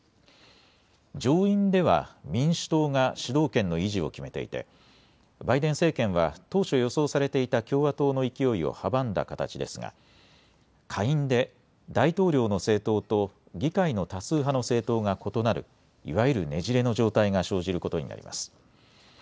上院では民主党が主導権の維持を決めていてバイデン政権は当初、予想されていた共和党の勢いを阻んだ形ですが下院で大統領の政党と議会の多数派の政党が異なるいわゆるねじれの状態が生じることになります。